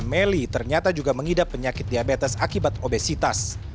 melly ternyata juga mengidap penyakit diabetes akibat obesitas